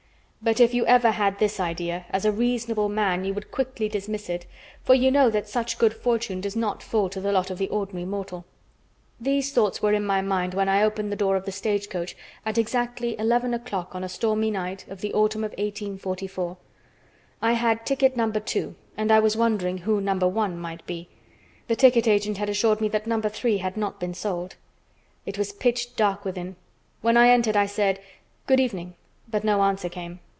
But if you ever had this idea, as a reasonable man you would quickly dismiss it, for you know that such good fortune does not fall to the lot of the ordinary mortal. These thoughts were in my mind when I opened the door of the stagecoach at exactly eleven o'clock on a stormy night of the Autumn of 1844. I had ticket No. 2, and I was wondering who No. 1 might be. The ticket agent had assured me that No. 3 had not been sold. It was pitch dark within. When I entered I said, "Good evening," but no answer came.